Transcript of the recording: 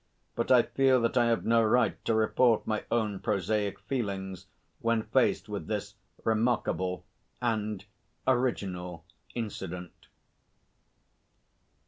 But I feel that I have no right to report my own prosaic feelings when faced with this remarkable and original incident.